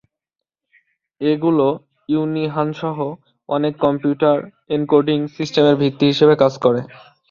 এগুলো ইউনিহানসহ অনেক computer encoding সিস্টেমের ভিত্তি হিসেবে কাজ করে।